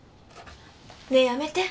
ねえやめて。